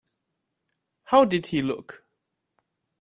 How did he look?